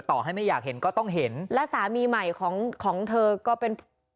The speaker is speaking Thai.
ต่อให้ไม่อยากเห็นก็ต้องเห็นและสามีใหม่ของของเธอก็เป็น